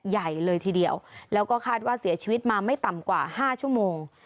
ใหญ่เลยทีเดียวแล้วก็คาดว่าเสียชีวิตมาไม่ต่ำกว่า๕ชั่วโมง